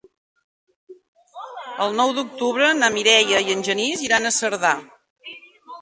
El nou d'octubre na Mireia i en Genís iran a Cerdà.